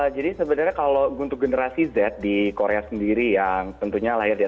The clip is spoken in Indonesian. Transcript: jadi sebenarnya kalau untuk generasi z di korea sendiri yang tentunya lainnya